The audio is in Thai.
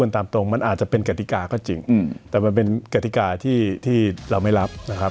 แต่วันเป็นกระทิกายี่ที่เราไม่รับนะครับ